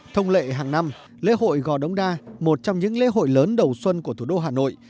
thông lệ hàng năm lễ hội gò đống đa một trong những lễ hội lớn đầu xuân của thủ đô hà nội